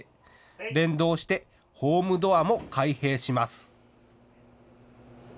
連動してホームドアも開閉します。